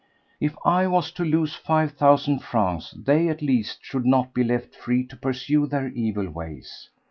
If I was to lose five thousand francs, they at least should not be left free to pursue their evil ways.